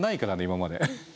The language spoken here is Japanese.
今まで。